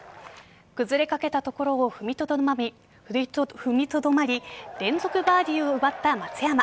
崩れかけたところを踏みとどまり連続バーディーを奪った松山。